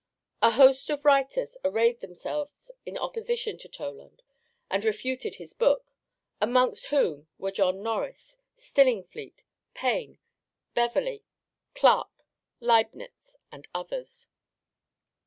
A host of writers arrayed themselves in opposition to Toland and refuted his book, amongst whom were John Norris, Stillingfleet, Payne, Beverley, Clarke, Leibnitz, and others.